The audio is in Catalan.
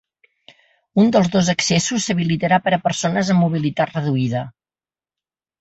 Un dels dos accessos s’habilitarà per a persones amb mobilitat reduïda.